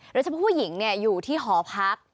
ระเจมส์พ่อผู้หญิงอยู่ที่หอพัก